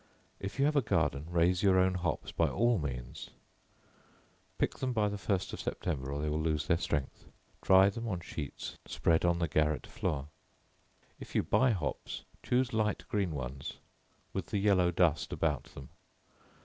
If you have a garden, raise your own hops by all means; pick them by the first of September, or they will lose their strength; dry them on sheets spread on the garret floor. If you buy hops, choose light green ones, with the yellow dust about them.